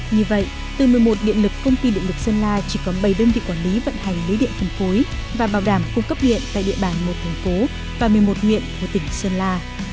như vậy từ một mươi một điện lực công ty điện lực sơn la chỉ có bảy đơn vị quản lý vận hành lưới điện phân phối và bảo đảm cung cấp điện tại địa bàn một thành phố và một mươi một huyện của tỉnh sơn la